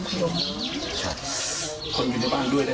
เป็นพี่เป็นน้องกันโตมาด้วยกันตั้งแต่แล้ว